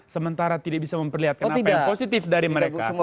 sementara tidak bisa memperlihatkan apa yang positif dari mereka